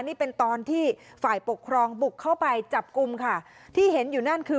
นี่เป็นตอนที่ฝ่ายปกครองบุกเข้าไปจับกลุ่มค่ะที่เห็นอยู่นั่นคือ